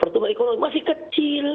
pertumbuhan ekonomi masih kecil